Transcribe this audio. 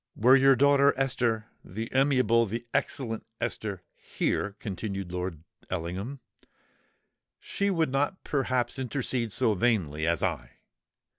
"Were your daughter Esther—the amiable, the excellent Esther here," continued Lord Ellingham, "she would not perhaps intercede so vainly as I.